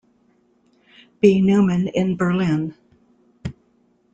B. Neumann in Berlin.